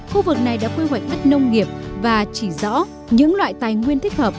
khu vực này đã quy hoạch đất nông nghiệp và chỉ rõ những loại tài nguyên thích hợp